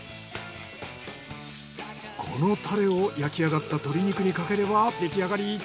このタレを焼きあがった鶏肉にかければ出来上がり。